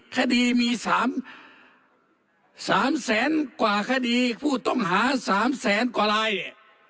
คดีมีสามสามแสนกว่าคดีผู้ต้องหาสามแสนกว่าลายเนี่ย